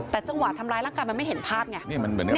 แต่จังหวะทำร้ายร่างกายมันไม่เห็นภาพไง